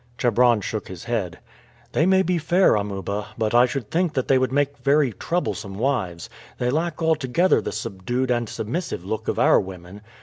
Chebron shook his head. "They may be fair, Amuba, but I should think they would make very troublesome wives. They lack altogether the subdued and submissive look of our women.